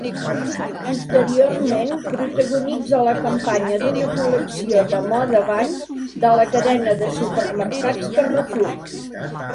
Posteriorment protagonitza la campanya d'una col·lecció de moda bany de la cadena de supermercats Carrefour.